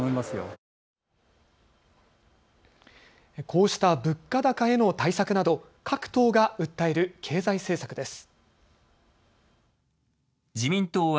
こうした物価高への対策など各党が訴える経済政策です。